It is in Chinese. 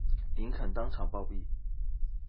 林肯当场暴毙。